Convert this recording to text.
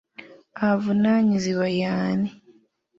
Avunaanyizibwa ye ani?